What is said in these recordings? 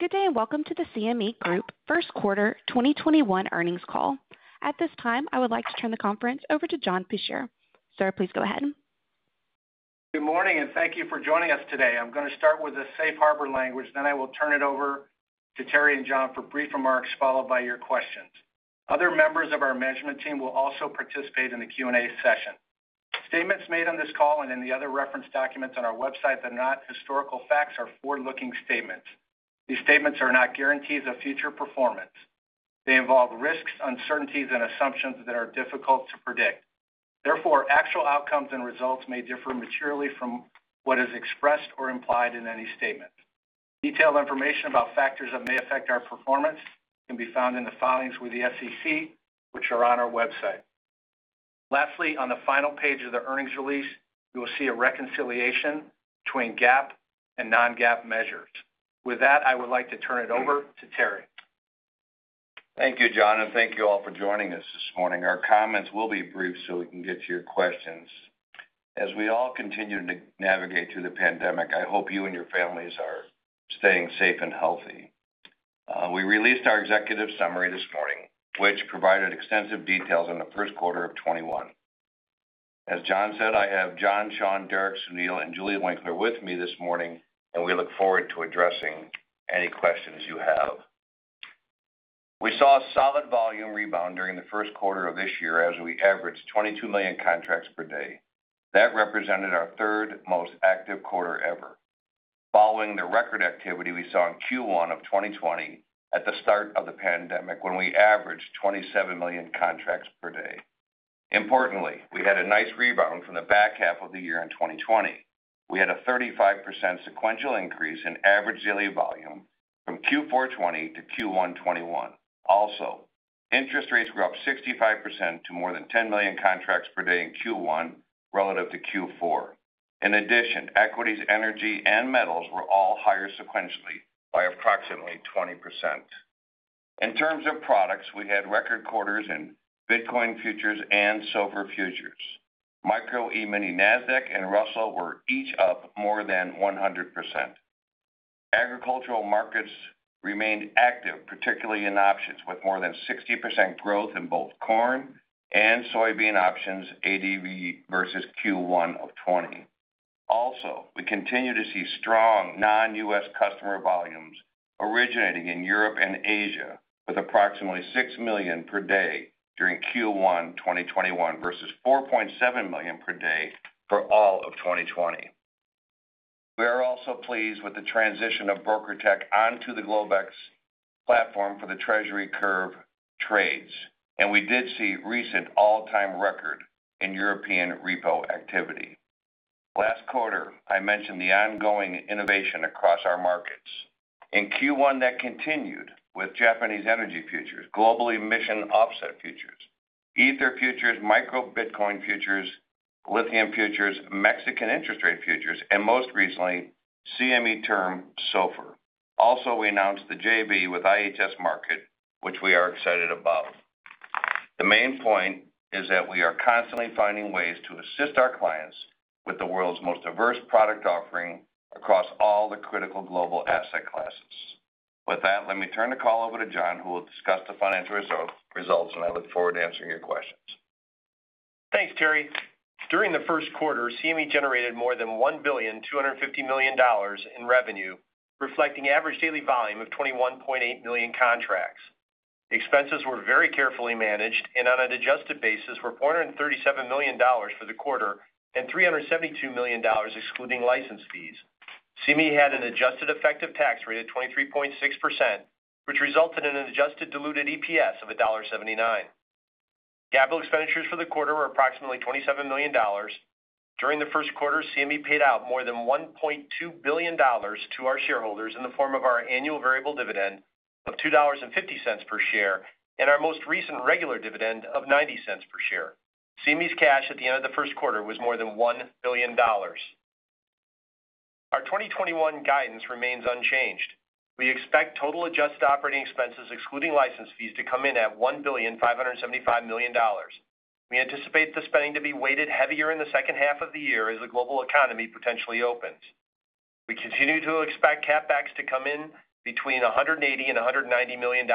Good day, welcome to the CME Group First Quarter 2021 Earnings Call. At this time, I would like to turn the conference over to John Peschier. Sir, please go ahead. Good morning, thank you for joining us today. I'm going to start with the safe harbor language. I will turn it over to Terry and John for brief remarks, followed by your questions. Other members of our management team will also participate in the Q&A session. Statements made on this call and in the other referenced documents on our website that are not historical facts are forward-looking statements. These statements are not guarantees of future performance. They involve risks, uncertainties, and assumptions that are difficult to predict. Actual outcomes and results may differ materially from what is expressed or implied in any statement. Detailed information about factors that may affect our performance can be found in the filings with the SEC, which are on our website. On the final page of the earnings release, you will see a reconciliation between GAAP and non-GAAP measures. With that, I would like to turn it over to Terry. Thank you, John. Thank you all for joining us this morning. Our comments will be brief so we can get to your questions. As we all continue to navigate through the pandemic, I hope you and your families are staying safe and healthy. We released our executive summary this morning, which provided extensive details on the first quarter of 2021. As John said, I have John, Sean, Derek, Sunil, and Julie Winkler with me this morning, and we look forward to addressing any questions you have. We saw a solid volume rebound during the first quarter of this year as we averaged 22 million contracts per day. That represented our third most active quarter ever. Following the record activity we saw in Q1 of 2020 at the start of the pandemic, when we averaged 27 million contracts per day. We had a nice rebound from the back half of the year in 2020. We had a 35% sequential increase in average daily volume from Q4 2020 to Q1 2021. Interest rates were up 65% to more than 10 million contracts per day in Q1 relative to Q4. Equities, energy, and metals were all higher sequentially by approximately 20%. In terms of products, we had record quarters in Bitcoin futures and Silver futures. Micro E-mini Nasdaq-100 and Russell 2000 were each up more than 100%. Agricultural markets remained active, particularly in options, with more than 60% growth in both corn and soybean options ADV versus Q1 2020. We continue to see strong non-U.S. customer volumes originating in Europe and Asia, with approximately 6 million per day during Q1 2021 versus 4.7 million per day for all of 2020. We are also pleased with the transition of BrokerTec onto the Globex platform for the Treasury curve trades, we did see recent all-time record in European repo activity. Last quarter, I mentioned the ongoing innovation across our markets. In Q1, that continued with Japanese energy futures, Global Emissions Offset futures, Ether futures, Micro Bitcoin futures, Lithium futures, Mexican interest rate futures, and most recently, CME Term SOFR. We announced the JV with IHS Markit, which we are excited about. The main point is that we are constantly finding ways to assist our clients with the world's most diverse product offering across all the critical global asset classes. With that, let me turn the call over to John, who will discuss the financial results, I look forward to answering your questions. Thanks, Terry. During the first quarter, CME generated more than $1,250,000,000 in revenue, reflecting average daily volume of 21.8 million contracts. Expenses were very carefully managed, and on an adjusted basis, were $437 million for the quarter and $372 million excluding license fees. CME had an adjusted effective tax rate of 23.6%, which resulted in an adjusted diluted EPS of $1.79. Capital expenditures for the quarter were approximately $27 million. During the first quarter, CME paid out more than $1.2 billion to our shareholders in the form of our annual variable dividend of $2.50 per share and our most recent regular dividend of $0.90 per share. CME's cash at the end of the first quarter was more than $1 billion. Our 2021 guidance remains unchanged. We expect total adjusted operating expenses excluding license fees to come in at $1,575,000,000. We anticipate the spending to be weighted heavier in the second half of the year as the global economy potentially opens. We continue to expect CapEx to come in between $180 million and $190 million.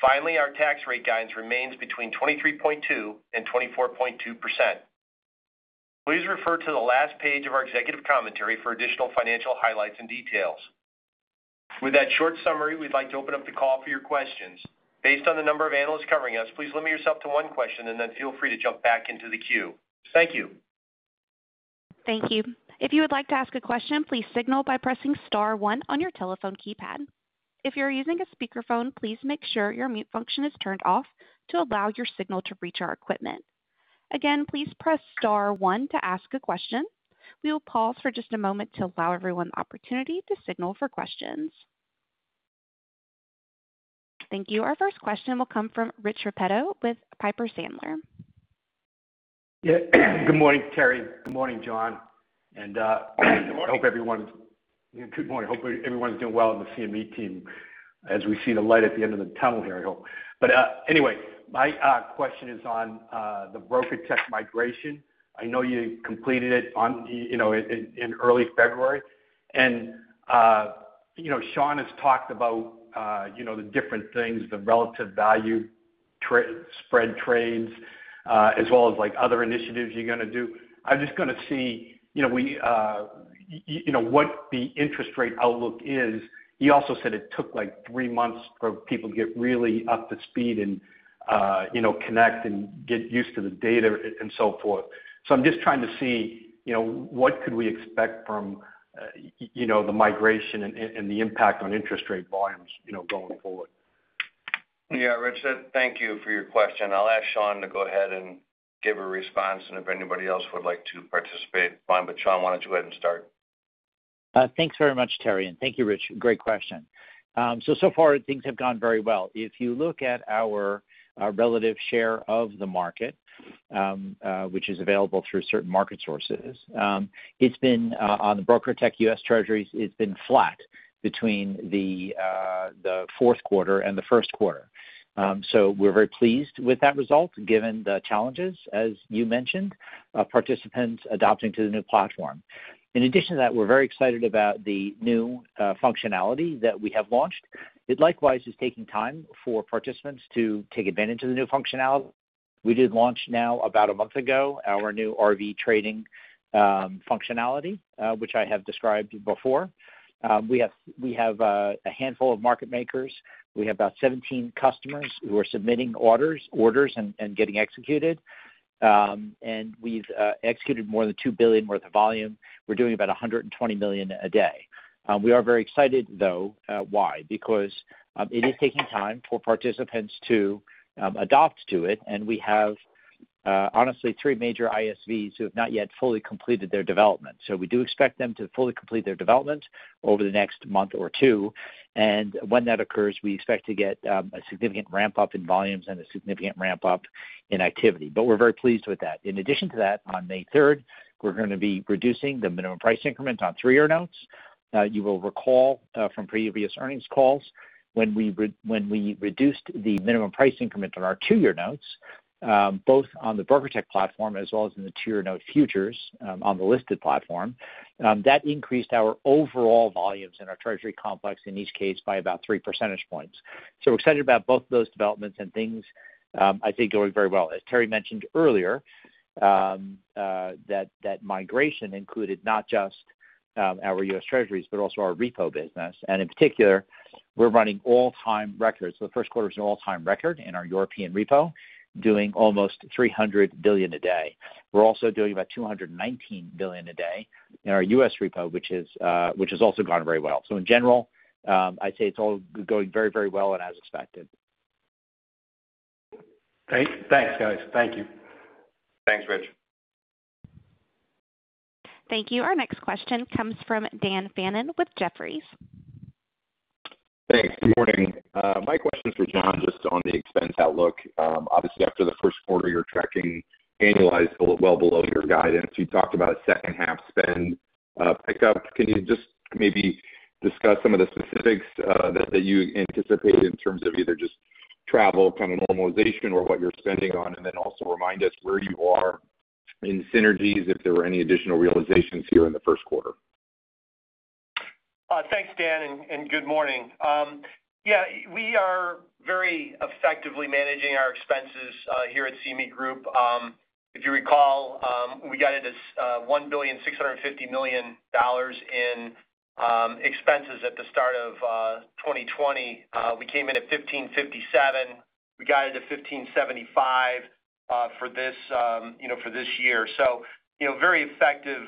Finally, our tax rate guidance remains between 23.2% and 24.2%. Please refer to the last page of our executive commentary for additional financial highlights and details. With that short summary, we'd like to open up the call for your questions. Based on the number of analysts covering us, please limit yourself to one question and then feel free to jump back into the queue. Thank you. Thank you. If you would like to ask a question, please signal by pressing star one on your telephone keypad. If you're using a speakerphone, please make sure your mute function is turned off to allow your signal to reach our equipment. Again, please press star one to ask a question. We will pause for just a moment to allow everyone the opportunity to signal for questions. Thank you. Our first question will come from Rich Repetto with Piper Sandler. Good morning, Terry. Good morning, John, I hope everyone's doing well on the CME Group team. As we see the light at the end of the tunnel here, I hope. My question is on the BrokerTec migration. I know you completed it in early February. Sean has talked about the different things, the relative value spread trades, as well as other initiatives you're going to do. I'm just going to see what the interest rate outlook is. You also said it took three months for people to get really up to speed and connect and get used to the data and so forth. I'm just trying to see what could we expect from the migration and the impact on interest rate volumes going forward. Yeah, Rich, thank you for your question. I'll ask Sean to go ahead and give a response, and if anybody else would like to participate, fine. Sean, why don't you go ahead and start. Thanks very much, Terry. Thank you, Rich. Great question. So far things have gone very well. If you look at our relative share of the market, which is available through certain market sources, on the BrokerTec US Treasuries, it's been flat between the fourth quarter and the first quarter. We're very pleased with that result, given the challenges, as you mentioned, of participants adapting to the new platform. In addition to that, we're very excited about the new functionality that we have launched. It likewise is taking time for participants to take advantage of the new functionality. We did launch now about a month ago, our new RV trading functionality, which I have described before. We have a handful of market makers. We have about 17 customers who are submitting orders and getting executed. We've executed more than $2 billion worth of volume. We're doing about $120 million a day. We are very excited, though. Why? It is taking time for participants to adopt to it, and we have, honestly, three major ISVs who have not yet fully completed their development. We do expect them to fully complete their development over the next month or two. When that occurs, we expect to get a significant ramp-up in volumes and a significant ramp-up in activity. We're very pleased with that. In addition to that, on May 3rd, we're going to be reducing the minimum price increment on three-year notes. You will recall from previous earnings calls, when we reduced the minimum price increment on our two-year notes, both on the BrokerTec platform as well as in the two-year note futures on the listed platform. That increased our overall volumes in our treasury complex in each case by about 3 percentage points. We're excited about both of those developments, and things I think are going very well. As Terry mentioned earlier, that migration included not just our U.S. Treasuries, but also our repo business. In particular, we're running all-time records. The first quarter is an all-time record in our European repo, doing almost $300 billion a day. We're also doing about $219 billion a day in our U.S. repo, which has also gone very well. In general, I'd say it's all going very well and as expected. Great. Thanks, guys. Thank you. Thanks, Rich. Thank you. Our next question comes from Dan Fannon with Jefferies. Thanks. Good morning. My question is for John, just on the expense outlook. Obviously, after the first quarter, you're tracking annualized well below your guidance. You talked about second half spend pick up. Can you just maybe discuss some of the specifics that you anticipate in terms of either just travel kind of normalization or what you're spending on, and then also remind us where you are in synergies, if there were any additional realizations here in the first quarter? Thanks, Dan. Good morning. We are very effectively managing our expenses here at CME Group. If you recall, we guided as $1.650 billion in expenses at the start of 2020. We came in at $1.557 billion. We guided to $1.575 billion for this year. Very effective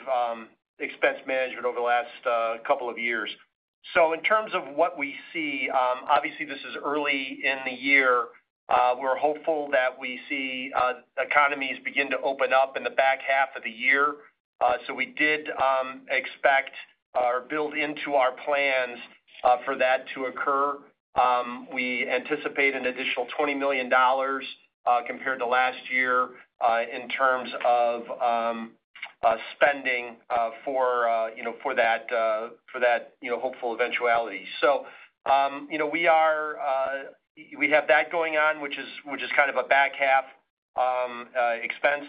expense management over the last couple of years. In terms of what we see, obviously this is early in the year. We're hopeful that we see economies begin to open up in the back half of the year. We did expect or build into our plans for that to occur. We anticipate an additional $20 million compared to last year in terms of spending for that hopeful eventuality. We have that going on, which is kind of a back half expenses.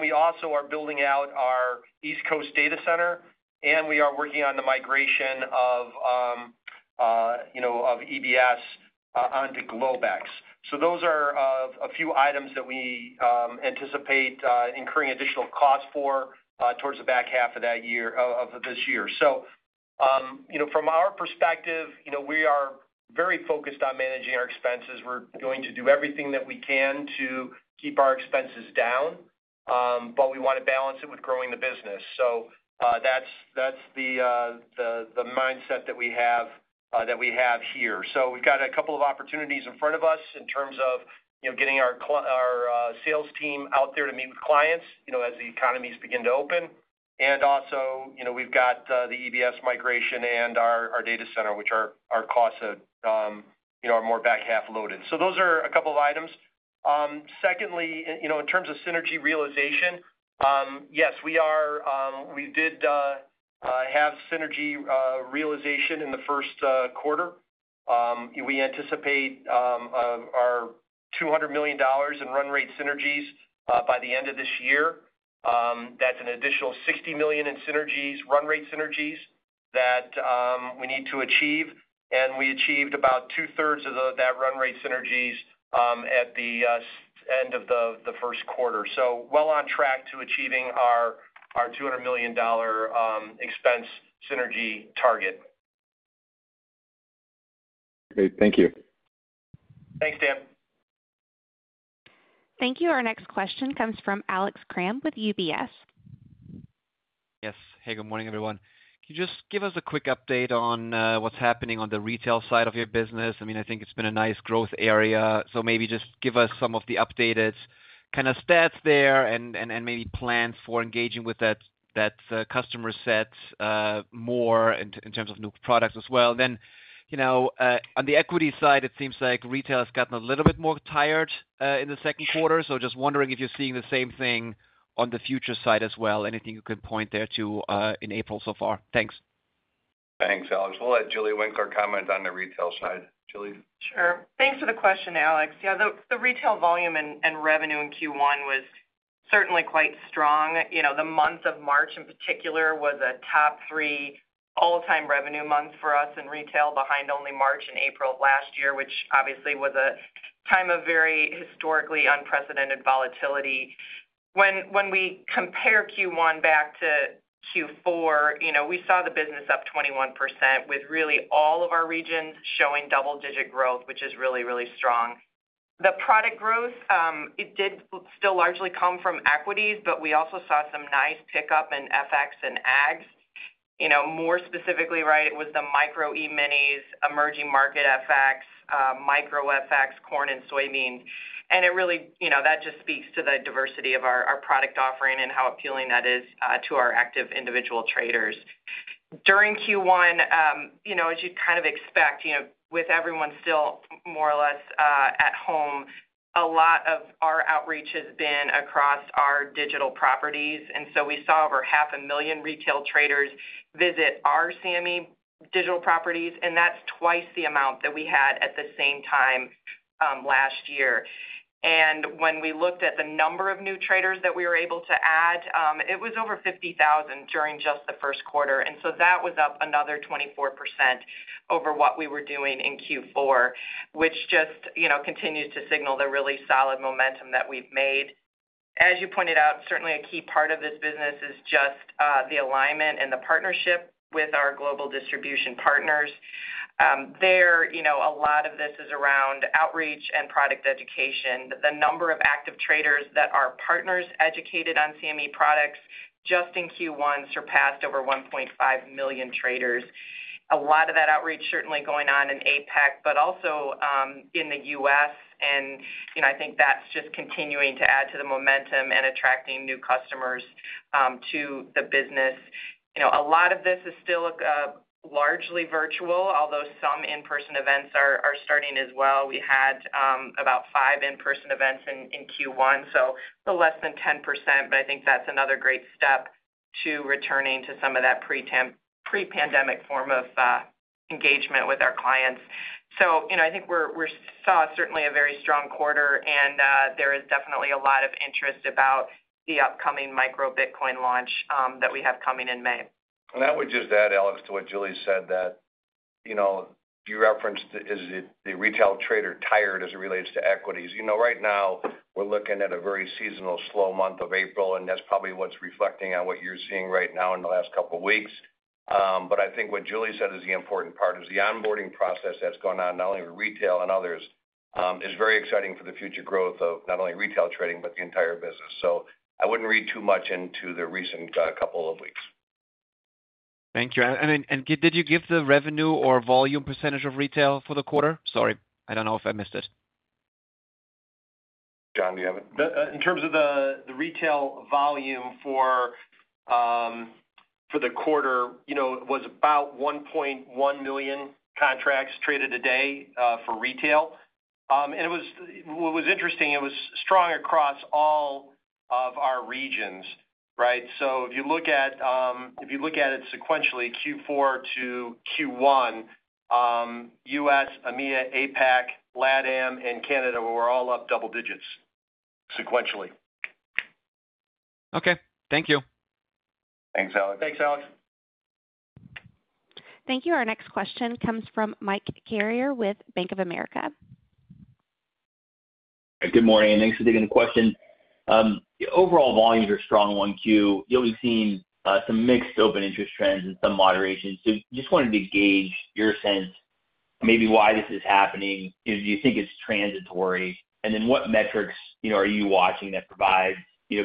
We also are building out our East Coast data center, and we are working on the migration of EBS onto Globex. Those are a few items that we anticipate incurring additional cost for towards the back half of this year. From our perspective, we are very focused on managing our expenses. We're going to do everything that we can to keep our expenses down, but we want to balance it with growing the business. That's the mindset that we have here. We've got a couple of opportunities in front of us in terms of getting our sales team out there to meet with clients as the economies begin to open. Also, we've got the EBS migration and our data center, which our costs are more back-half loaded. Those are a couple of items. Secondly, in terms of synergy realization, yes, we did have synergy realization in the first quarter. We anticipate our $200 million in run rate synergies by the end of this year. That's an additional $60 million in synergies, run rate synergies, that we need to achieve. We achieved about two-thirds of that run rate synergies at the end of the first quarter. Well on track to achieving our $200 million expense synergy target. Great. Thank you. Thanks, Dan. Thank you. Our next question comes from Alex Kramm with UBS. Yes. Hey, good morning, everyone. Can you just give us a quick update on what's happening on the retail side of your business? I think it's been a nice growth area. Maybe just give us some of the updated kind of stats there and maybe plans for engaging with that customer set more in terms of new products as well. On the equity side, it seems like retail has gotten a little bit more tired in the second quarter. Just wondering if you're seeing the same thing on the future side as well. Anything you can point there to in April so far? Thanks. Thanks, Alex. We'll let Julie Winkler comment on the retail side. Julie? Sure. Thanks for the question, Alex. Yeah, the retail volume and revenue in Q1 was certainly quite strong. The month of March in particular was a top three all-time revenue month for us in retail, behind only March and April of last year, which obviously was a time of very historically unprecedented volatility. When we compare Q1 back to Q4, we saw the business up 21% with really all of our regions showing double-digit growth, which is really, really strong. The product growth, it did still largely come from equities, but we also saw some nice pickup in FX and ags. More specifically, right, it was the Micro E-minis, emerging market FX, Micro FX, corn and soybeans. That just speaks to the diversity of our product offering and how appealing that is to our active individual traders. During Q1, as you'd kind of expect, with everyone still more or less at home, a lot of our outreach has been across our digital properties. We saw over 500,000 retail traders visit our CME digital properties, that's twice the amount that we had at the same time last year. When we looked at the number of new traders that we were able to add, it was over 50,000 during just the first quarter. That was up another 24% over what we were doing in Q4, which just continues to signal the really solid momentum that we've made. As you pointed out, certainly a key part of this business is just the alignment and the partnership with our global distribution partners. There, a lot of this is around outreach and product education. The number of active traders that our partners educated on CME products just in Q1 surpassed over 1.5 million traders. A lot of that outreach certainly going on in APAC, but also in the U.S., and I think that's just continuing to add to the momentum and attracting new customers to the business. A lot of this is still largely virtual, although some in-person events are starting as well. We had about five in-person events in Q1, so a little less than 10%, but I think that's another great step to returning to some of that pre-pandemic form of engagement with our clients. I think we saw certainly a very strong quarter, and there is definitely a lot of interest about the upcoming Micro Bitcoin launch that we have coming in May. I would just add, Alex, to what Julie said, that you referenced, is the retail trader tired as it relates to equities? Right now, we're looking at a very seasonal slow month of April. That's probably what's reflecting on what you're seeing right now in the last couple of weeks. I think what Julie said is the important part, is the onboarding process that's gone on not only with retail and others, is very exciting for the future growth of not only retail trading, but the entire business. I wouldn't read too much into the recent couple of weeks. Thank you. Did you give the revenue or volume percentage of retail for the quarter? Sorry, I don't know if I missed it. John, do you have it? In terms of the retail volume for the quarter, it was about 1.1 million contracts traded a day for retail. What was interesting, it was strong across all of our regions, right? If you look at it sequentially, Q4 to Q1, U.S., EMEA, APAC, LATAM, and Canada were all up double digits sequentially. Okay. Thank you. Thanks, Alex. Thanks, Alex. Thank you. Our next question comes from Mike Carrier with Bank of America. Good morning, thanks for taking the question. Overall volumes are strong, 1Q. You know we've seen some mixed open interest trends and some moderation. Just wanted to gauge your sense maybe why this is happening. Do you think it's transitory? What metrics are you watching that provide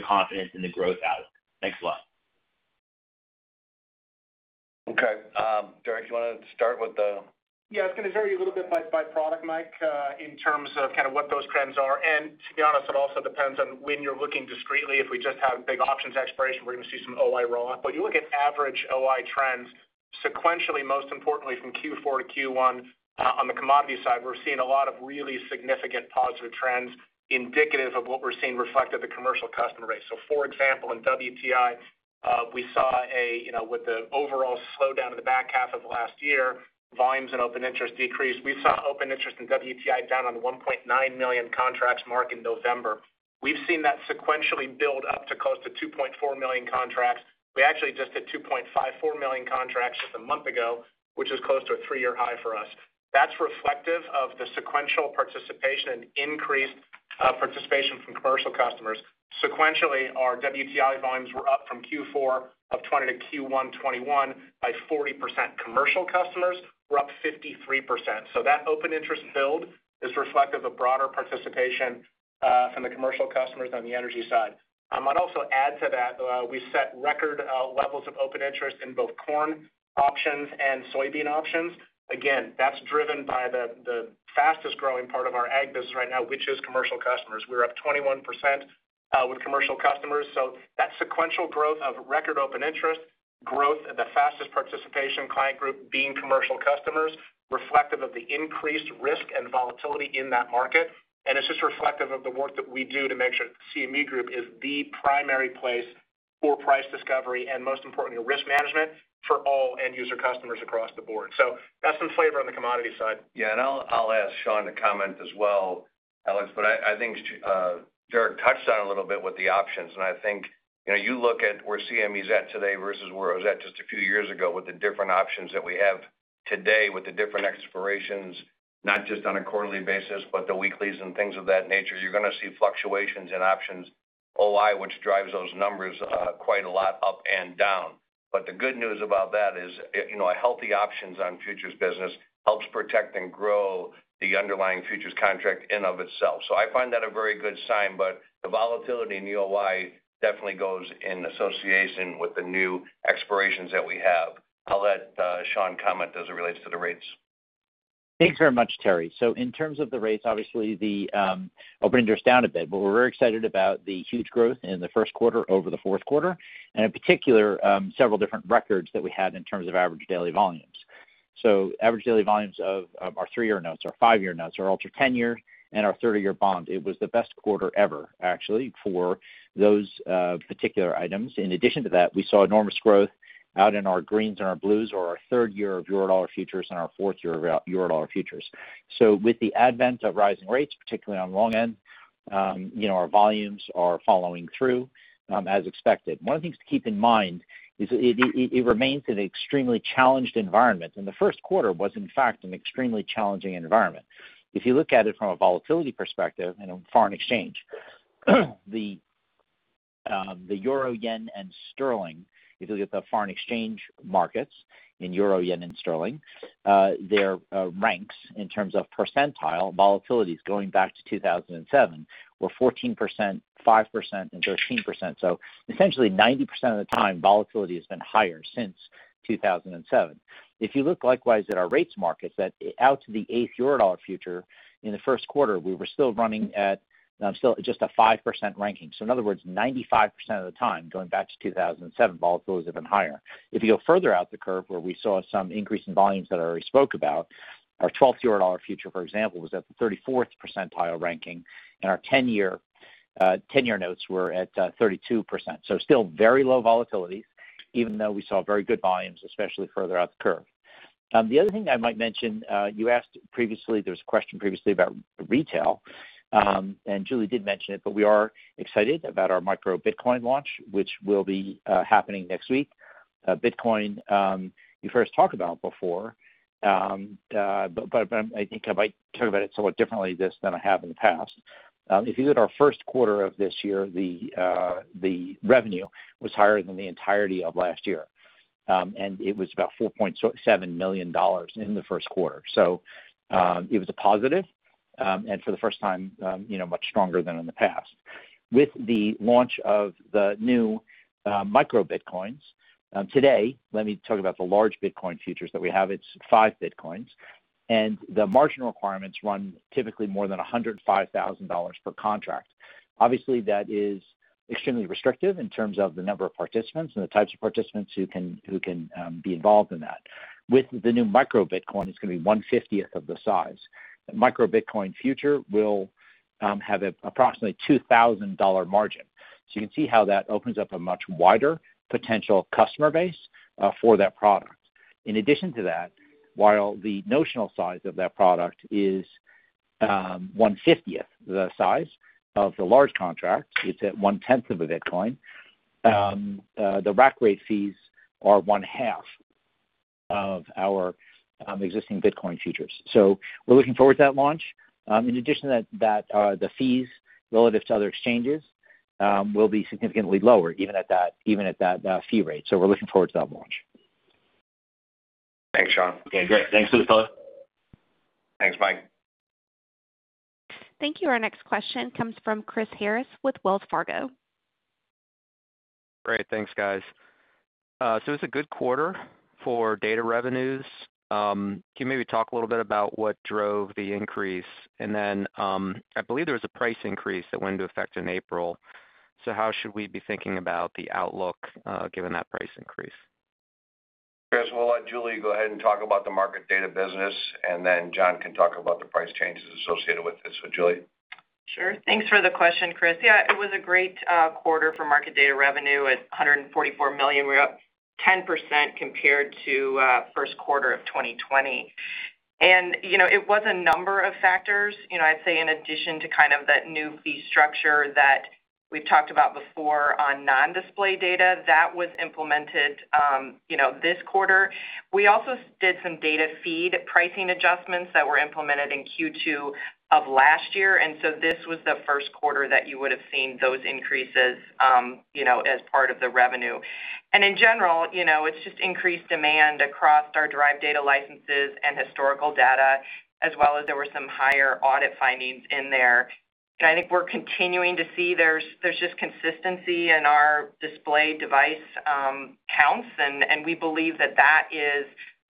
confidence in the growth outlook? Thanks a lot. Okay. Derek, you want to start with? Yeah, it is going to vary a little bit by product, Mike, in terms of what those trends are. To be honest, it also depends on when you are looking discreetly. If we just have big options expiration, we are going to see some OI roll off. You look at average OI trends, sequentially, most importantly, from Q4 to Q1 on the commodity side, we are seeing a lot of really significant positive trends indicative of what we are seeing reflect at the commercial customer rates. For example, in WTI, with the overall slowdown in the back half of last year, volumes and open interest decreased. We saw open interest in WTI down on the 1.9 million contracts mark in November. We have seen that sequentially build up to close to 2.4 million contracts. We actually just did 2.54 million contracts just a month ago, which is close to a three-year high for us. That's reflective of the sequential participation and increased participation from commercial customers. Sequentially, our WTI volumes were up from Q4 2020 to Q1 2021 by 40%. Commercial customers were up 53%. That open interest build is reflective of broader participation from the commercial customers on the energy side. I'd also add to that, we set record levels of open interest in both corn options and soybean options. Again, that's driven by the fastest-growing part of our ag business right now, which is commercial customers. We're up 21% with commercial customers. That sequential growth of record open interest, growth at the fastest participation client group being commercial customers, reflective of the increased risk and volatility in that market, and it's just reflective of the work that we do to make sure that CME Group is the primary place for price discovery and, most importantly, risk management for all end user customers across the board. That's some flavor on the commodity side. I'll ask Sean to comment as well, Alex. I think Derek touched on it a little bit with the options. I think you look at where CME Group's at today versus where it was at just a few years ago with the different options that we have today, with the different expirations, not just on a quarterly basis, but the weeklies and things of that nature, you're going to see fluctuations in options OI, which drives those numbers quite a lot up and down. The good news about that is a healthy options on futures business helps protect and grow the underlying futures contract in and of itself. I find that a very good sign. The volatility in the OI definitely goes in association with the new expirations that we have. I'll let Sean comment as it relates to the rates. Thanks very much, Terry. In terms of the rates, obviously, the open interest down a bit, but we're very excited about the huge growth in the first quarter over the fourth quarter, and in particular, several different records that we had in terms of average daily volumes. Average daily volumes of our three-year notes, our five-year notes, our ultra 10-year, and our 30-year bond. It was the best quarter ever, actually, for those particular items. In addition to that, we saw enormous growth out in our greens and our blues or our third year of Eurodollar futures and our fourth year of Eurodollar futures. With the advent of rising rates, particularly on the long end, our volumes are following through as expected. One of the things to keep in mind is it remains an extremely challenged environment, and the first quarter was, in fact, an extremely challenging environment. If you look at it from a volatility perspective in foreign exchange, the Euro, Yen, and Sterling, if you look at the foreign exchange markets in Euro, Yen, and Sterling, their ranks in terms of percentile volatility going back to 2007 were 14%, 5%, and 13%. Essentially, 90% of the time, volatility has been higher since 2007. If you look likewise at our rates markets, out to the eighth Eurodollar future in the first quarter, we were still running at just a 5% ranking. In other words, 95% of the time, going back to 2007, volatility's been higher. If you go further out the curve where we saw some increase in volumes that I already spoke about, our 12th Eurodollar future, for example, was at the 34th percentile ranking, and our 10-year notes were at 32%. Still very low volatility, even though we saw very good volumes, especially further out the curve. The other thing I might mention, there was a question previously about retail, and Julie did mention it, but we are excited about our Micro Bitcoin launch, which will be happening next week. Bitcoin, you first talked about before, but I think I might talk about it somewhat differently than I have in the past. If you look at our first quarter of this year, the revenue was higher than the entirety of last year, and it was about $4.7 million in the first quarter. It was a positive, and for the first time much stronger than in the past. With the launch of the new Micro Bitcoin futures today, let me talk about the large Bitcoin futures that we have. It's five Bitcoins, and the margin requirements run typically more than $105,000 per contract. Obviously, that is extremely restrictive in terms of the number of participants and the types of participants who can be involved in that. With the new micro Bitcoin, it's going to be one-fiftieth of the size. The micro Bitcoin future will have approximately a $2,000 margin. You can see how that opens up a much wider potential customer base for that product. In addition to that, while the notional size of that product is 1/50th the size of the large contract, it's at 1/10th of a Bitcoin, the rack rate fees are 1/2 of our existing Bitcoin futures. We're looking forward to that launch. In addition to that, the fees relative to other exchanges will be significantly lower even at that fee rate. We're looking forward to that launch. Thanks, Sean. Okay, great. Thanks to the both. Thanks, Mike. Thank you. Our next question comes from Chris Harris with Wells Fargo. Great. Thanks, guys. It's a good quarter for data revenues. Can you maybe talk a little bit about what drove the increase? I believe there was a price increase that went into effect in April. How should we be thinking about the outlook, given that price increase? Chris, we'll let Julie go ahead and talk about the market data business, and then John can talk about the price changes associated with this. So, Julie? Sure. Thanks for the question, Chris. Yeah, it was a great quarter for market data revenue at $144 million. We were up 10% compared to first quarter of 2020. It was a number of factors. I'd say in addition to kind of that new fee structure that we've talked about before on non-display data, that was implemented this quarter. We also did some data feed pricing adjustments that were implemented in Q2 of last year. This was the first quarter that you would've seen those increases as part of the revenue. In general, it's just increased demand across our derived data licenses and historical data, as well as there were some higher audit findings in there. I think we're continuing to see there's just consistency in our display device counts, and we believe that that is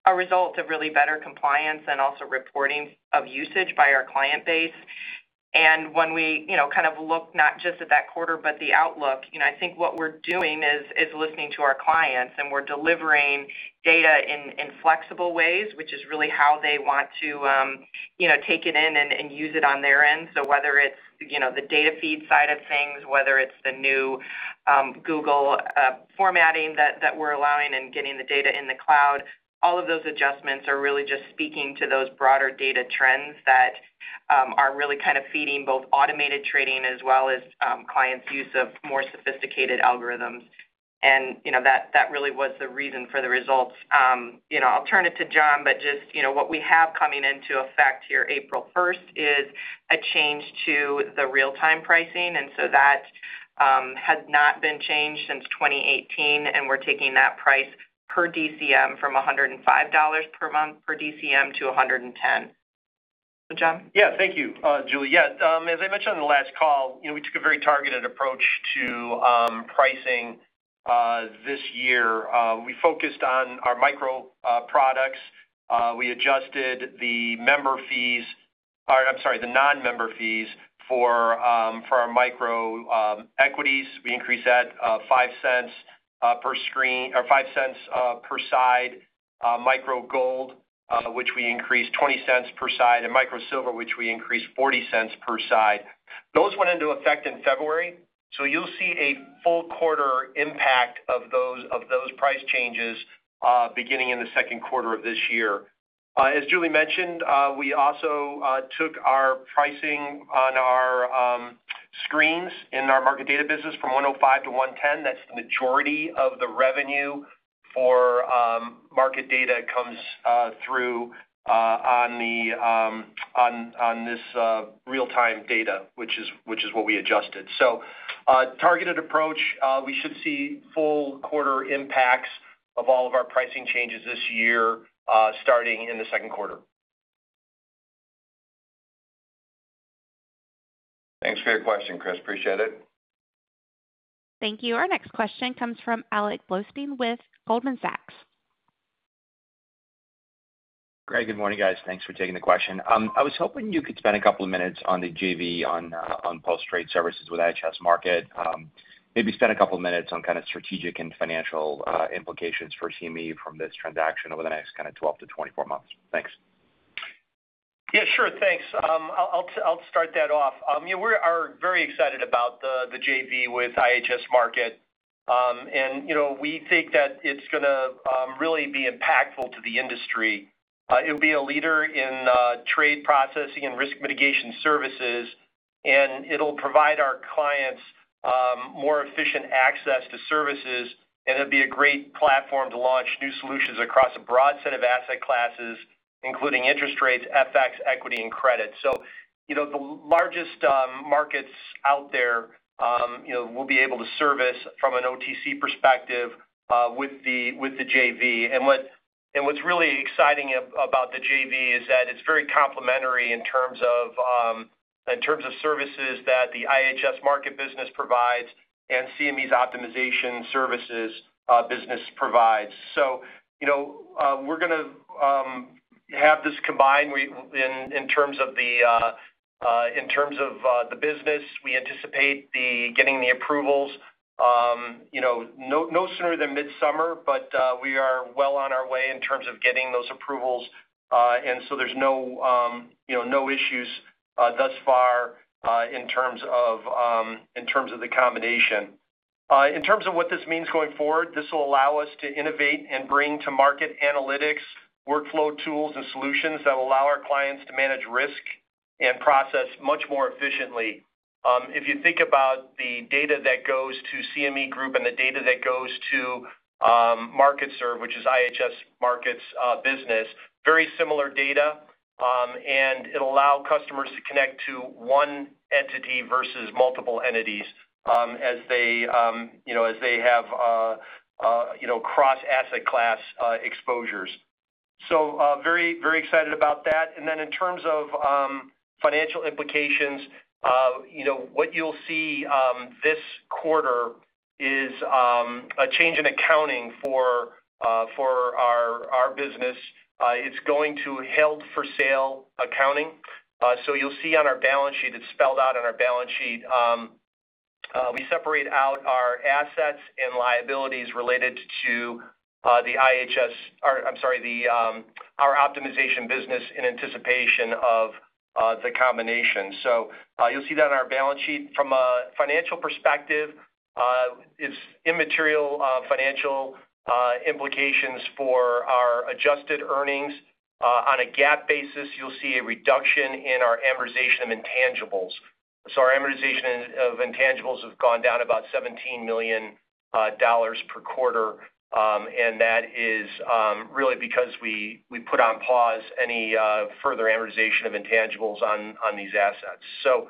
a result of really better compliance and also reporting of usage by our client base. When we kind of look not just at that quarter, but the outlook, I think what we're doing is listening to our clients, and we're delivering data in flexible ways, which is really how they want to take it in and use it on their end. Whether it's the data feed side of things, whether it's the new Google formatting that we're allowing and getting the data in the cloud, all of those adjustments are really just speaking to those broader data trends that are really kind of feeding both automated trading as well as clients' use of more sophisticated algorithms. That really was the reason for the results. I'll turn it to John. Just what we have coming into effect here April 1st is a change to the real-time pricing. That had not been changed since 2018. We're taking that price per DCM from $105 per month per DCM to $110. John? Thank you, Julie. As I mentioned on the last call, we took a very targeted approach to pricing this year. We focused on our micro products. We adjusted the non-member fees for our Micro equities. We increased that $0.05 per screen, or $0.05 per side. Micro Gold, which we increased $0.20 per side, and Micro Silver, which we increased $0.40 per side. Those went into effect in February, so you'll see a full quarter impact of those price changes beginning in the second quarter of this year. As Julie mentioned, we also took our pricing on our screens in our market data business from $105 to $110. That's the majority of the revenue for market data comes through on this real-time data, which is what we adjusted. Targeted approach. We should see full quarter impacts of all of our pricing changes this year starting in the second quarter. Thanks for your question, Chris. Appreciate it. Thank you. Our next question comes from Alex Blostein with Goldman Sachs. Great, good morning, guys. Thanks for taking the question. I was hoping you could spend a couple of minutes on the JV on Post Trade Services with IHS Markit. Maybe spend a couple of minutes on kind of strategic and financial implications for CME from this transaction over the next kind of 12 to 24 months. Thanks. Yeah, sure. Thanks. I'll start that off. We are very excited about the JV with IHS Markit. We think that it's going to really be impactful to the industry. It'll be a leader in trade processing and risk mitigation services, and it'll provide our clients more efficient access to services, and it'll be a great platform to launch new solutions across a broad set of asset classes, including interest rates, FX, equity, and credit. The largest markets out there we'll be able to service from an OTC perspective with the JV. What's really exciting about the JV is that it's very complementary in terms of services that the IHS Markit business provides and CME's optimization services business provides. We're going to have this combined in terms of the business. We anticipate getting the approvals no sooner than midsummer, but we are well on our way in terms of getting those approvals. There's no issues thus far in terms of the combination. In terms of what this means going forward, this will allow us to innovate and bring to market analytics, workflow tools, and solutions that will allow our clients to manage risk and process much more efficiently. If you think about the data that goes to CME Group and the data that goes to MarkitSERV, which is IHS Markit's business, very similar data, and it'll allow customers to connect to one entity versus multiple entities as they have cross-asset class exposures. Very excited about that. In terms of financial implications, what you'll see this quarter is a change in accounting for. Our business, it's going to held for sale accounting. You'll see on our balance sheet, it's spelled out on our balance sheet. We separate out our assets and liabilities related to our optimization business in anticipation of the combination. You'll see that on our balance sheet. From a financial perspective, it's immaterial financial implications for our adjusted earnings. On a GAAP basis, you'll see a reduction in our amortization of intangibles. Our amortization of intangibles have gone down about $17 million per quarter, and that is really because we put on pause any further amortization of intangibles on these assets.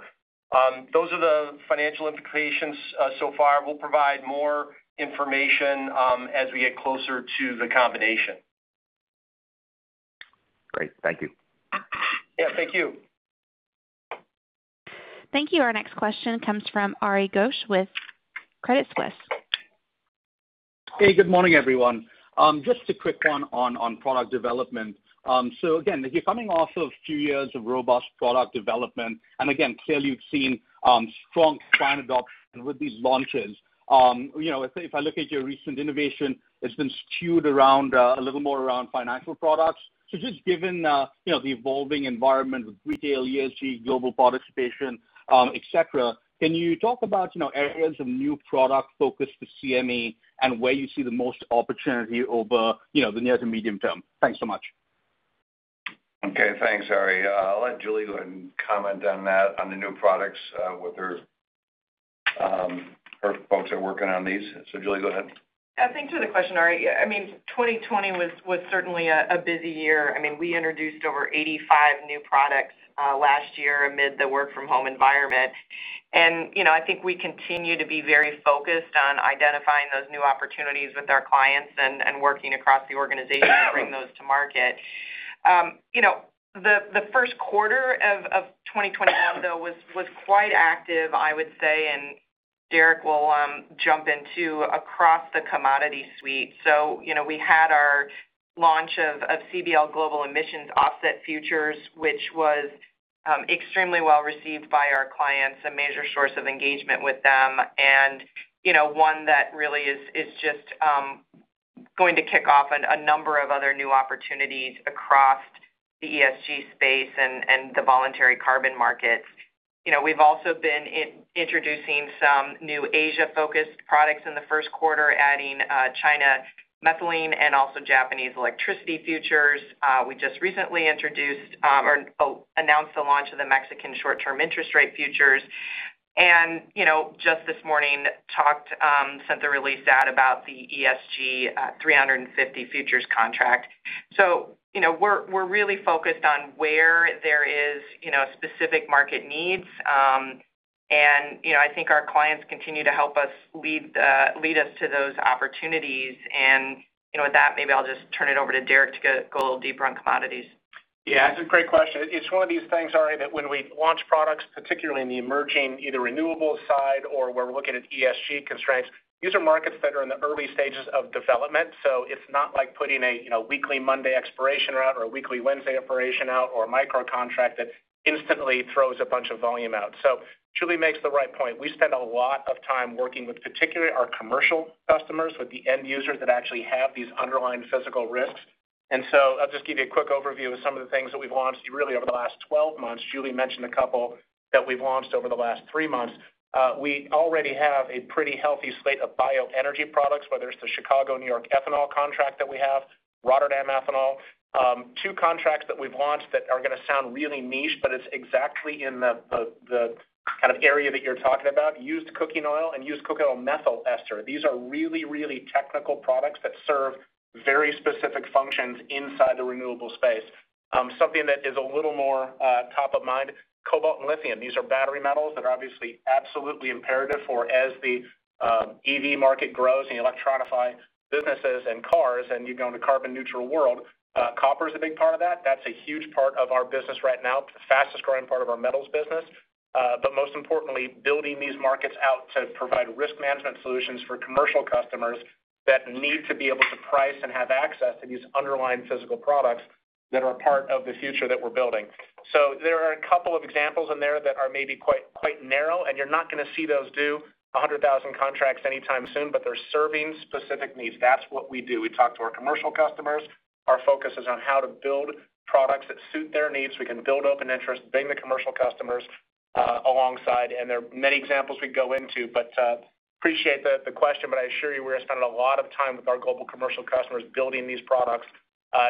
Those are the financial implications so far. We'll provide more information as we get closer to the combination. Great. Thank you. Yeah. Thank you. Thank you. Our next question comes from Ari Ghosh with Credit Suisse. Hey, good morning, everyone. Just a quick one on product development. Again, if you're coming off of two years of robust product development, and again, clearly you've seen strong client adoption with these launches. If I look at your recent innovation, it's been skewed a little more around financial products. Just given the evolving environment with retail, ESG, global participation, et cetera, can you talk about areas of new product focus for CME and where you see the most opportunity over the near to medium term? Thanks so much. Okay, thanks, Ari. I'll let Julie go ahead and comment on that, on the new products, what her folks are working on these. Julie, go ahead. Yeah, thanks for the question, Ari. I mean, 2020 was certainly a busy year. I mean, we introduced over 85 new products last year amid the work from home environment. I think we continue to be very focused on identifying those new opportunities with our clients and working across the organization to bring those to market. The first quarter of 2021, though, was quite active, I would say, and Derek will jump in too, across the commodity suite. We had our launch of CBL Global Emissions Offset Futures, which was extremely well received by our clients, a major source of engagement with them, and one that really is just going to kick off a number of other new opportunities across the ESG space and the voluntary carbon markets. We've also been introducing some new Asia-focused products in the first quarter, adding China Methanol and also Japanese electricity futures. We just recently introduced or announced the launch of the Mexican short-term interest rate futures. Just this morning sent the release out about the E-mini S&P 500 ESG futures contract. We're really focused on where there is specific market needs. I think our clients continue to help us lead us to those opportunities. With that, maybe I'll just turn it over to Derek to go a little deeper on commodities. Yeah, it's a great question. It's one of these things, Ari, that when we launch products, particularly in the emerging, either renewable side or where we're looking at ESG constraints, these are markets that are in the early stages of development. It's not like putting a weekly Monday expiration out or a weekly Wednesday expiration out or a micro contract that instantly throws a bunch of volume out. Julie makes the right point. We spend a lot of time working with, particularly our commercial customers, with the end users that actually have these underlying physical risks. I'll just give you a quick overview of some of the things that we've launched really over the last 12 months. Julie mentioned a couple that we've launched over the last three months. We already have a pretty healthy slate of bioenergy products, whether it's the Chicago, New York ethanol contract that we have, Rotterdam ethanol. Two contracts that we've launched that are going to sound really niche, but it's exactly in the kind of area that you're talking about, Used Cooking Oil and Used Cooking Oil Methyl Ester. These are really, really technical products that serve very specific functions inside the renewable space. Something that is a little more top of mind, cobalt and lithium. These are battery metals that are obviously absolutely imperative for as the EV market grows and you electronify businesses and cars and you go in a carbon neutral world. Copper's a big part of that. That's a huge part of our business right now, the fastest growing part of our metals business. Most importantly, building these markets out to provide risk management solutions for commercial customers that need to be able to price and have access to these underlying physical products that are a part of the future that we're building. There are a couple of examples in there that are maybe quite narrow, and you're not going to see those do 100,000 contracts anytime soon, but they're serving specific needs. That's what we do. We talk to our commercial customers. Our focus is on how to build products that suit their needs. We can build open interest, bring the commercial customers alongside, and there are many examples we could go into. Appreciate the question, but I assure you, we're spending a lot of time with our global commercial customers building these products.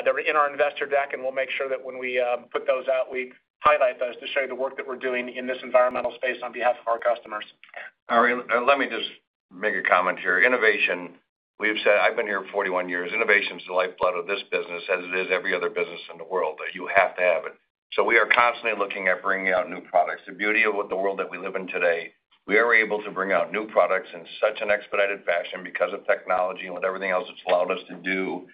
They're in our investor deck, and we'll make sure that when we put those out, we highlight those to show the work that we're doing in this environmental space on behalf of our customers. Ari, let me just make a comment here. Innovation, I've been here 41 years. Innovation's the lifeblood of this business as it is every other business in the world. You have to have it. We are constantly looking at bringing out new products. The beauty of the world that we live in today, we are able to bring out new products in such an expedited fashion because of technology and with everything else it's allowed us to do,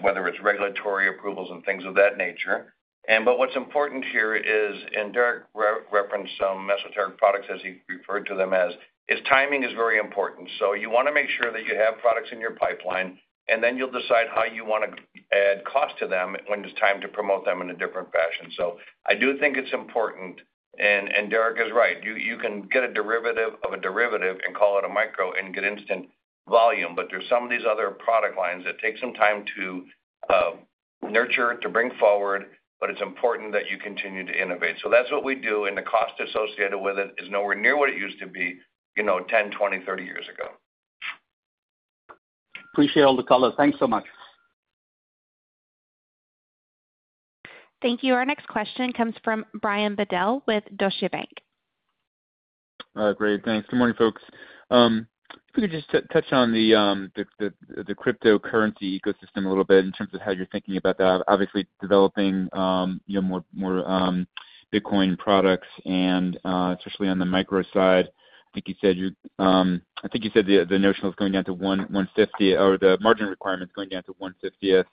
whether it's regulatory approvals and things of that nature. What's important here is, and Derek referenced some esoteric products as he referred to them as, is timing is very important. You want to make sure that you have products in your pipeline, and then you'll decide how you want to add cost to them when it's time to promote them in a different fashion. I do think it's important, and Derek is right. You can get a derivative of a derivative and call it a micro and get instant volume. There's some of these other product lines that take some time to nurture, to bring forward, but it's important that you continue to innovate. That's what we do, and the cost associated with it is nowhere near what it used to be 10, 20, 30 years ago. Appreciate all the color. Thanks so much. Thank you. Our next question comes from Brian Bedell with Deutsche Bank. All right, great. Thanks. Good morning, folks. If we could just touch on the cryptocurrency ecosystem a little bit in terms of how you're thinking about that. Obviously, developing more Bitcoin products and, especially on the micro side, I think you said the notional is going down to 1/50 or the margin requirement's going down to 1/50.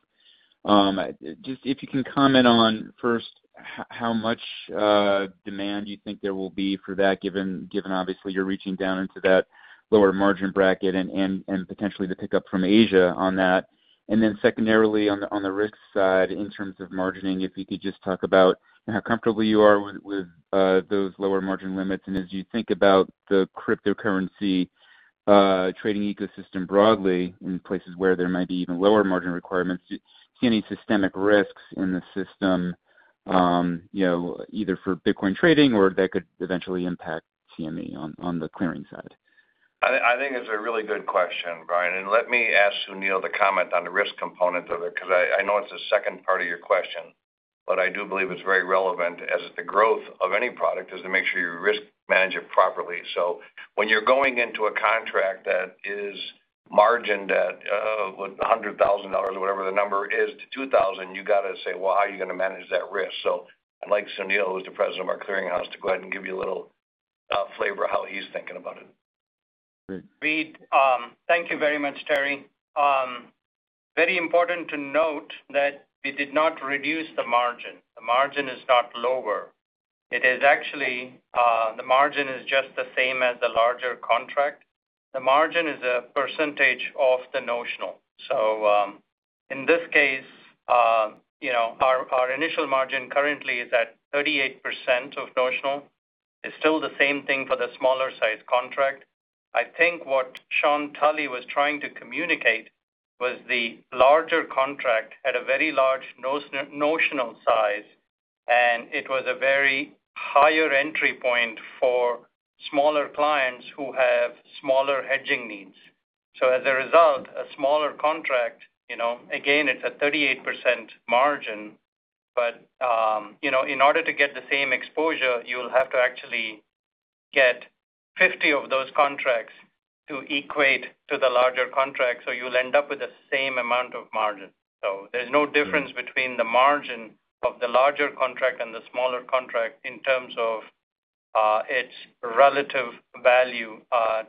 Just if you can comment on first, how much demand you think there will be for that, given obviously you're reaching down into that lower margin bracket and potentially the pickup from Asia on that? Secondarily on the risk side in terms of margining, if you could just talk about how comfortable you are with those lower margin limits? As you think about the cryptocurrency trading ecosystem broadly in places where there might be even lower margin requirements, do you see any systemic risks in the system, either for Bitcoin trading or that could eventually impact CME on the clearing side? I think it's a really good question, Brian Bedell, and let me ask Sunil to comment on the risk component of it because I know it's the second part of your question, but I do believe it's very relevant as the growth of any product is to make sure you risk manage it properly. When you're going into a contract that is margined at $100,000, whatever the number is, to $2,000, you got to say, well, how are you going to manage that risk? I'd like Sunil, who's the president of our clearinghouse, to go ahead and give you a little flavor of how he's thinking about it. Great. Thank you very much, Terry. Very important to note that we did not reduce the margin. The margin is not lower. It is actually the margin is just the same as the larger contract. The margin is a percentage of the notional. In this case, our initial margin currently is at 38% of notional. It's still the same thing for the smaller size contract. I think what Sean Tully was trying to communicate was the larger contract at a very large notional size, and it was a very higher entry point for smaller clients who have smaller hedging needs. As a result, a smaller contract, again, it's a 38% margin, but in order to get the same exposure, you'll have to actually get 50 of those contracts to equate to the larger contract, so you'll end up with the same amount of margin. There's no difference between the margin of the larger contract and the smaller contract in terms of its relative value